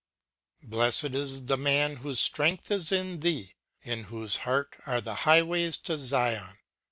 ''Blessed is the man whose strength is in thee; in whose heart are the highways to Zion.